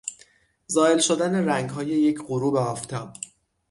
زایل شدن رنگهای یک غروب آفتاب